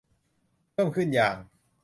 เพิ่มขึ้นอย่าง